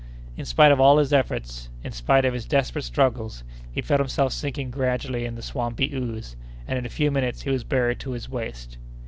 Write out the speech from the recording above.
In spite of all his efforts, in spite of his desperate struggles, he felt himself sinking gradually in the swampy ooze, and in a few minutes he was buried to his waist.